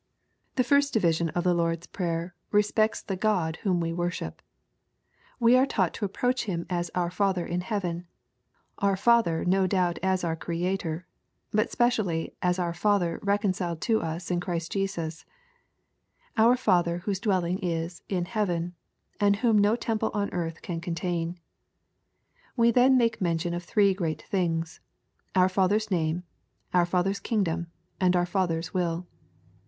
The first division of the Lord's Prayer respects the God whom we worship. We are taught to approach Him as our Father in heaven, — our Father no doubt as our Creator, but specially as oar Father reconciled to ns in Christ Jesus, — our Father whose dwelling is "in heaven," and whom no temple on earth can contain. We then make mention of three great things,— our Father's name, our Father's kingdom, and our Father's will.